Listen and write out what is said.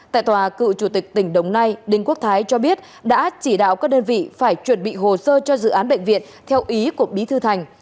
tại tòa cựu chủ tịch tỉnh đồng nai đinh quốc thái cho biết đã chỉ đạo các đơn vị phải chuẩn bị hồ sơ cho dự án bệnh viện theo ý của bí thư thành